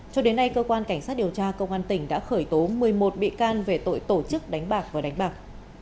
cho đến nay cơ quan cảnh sát điều tra công an tỉnh đã khởi tố một mươi một bị can về tội tổ chức đánh bạc và đánh bạc